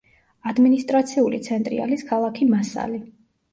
ადმინისტრაციული ცენტრი არის ქალაქი მასალი.